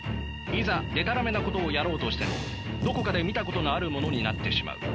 いざでたらめなことをやろうとしてもどこかで見たことのあるものになってしまう。